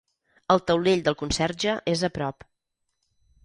El taulell del conserge és a prop.